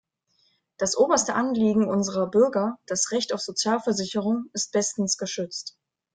Das oberste Anliegen unserer Bürger das Recht auf Sozialversicherung ist bestens geschützt.